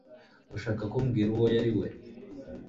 urashaka kumbwira uwo yari we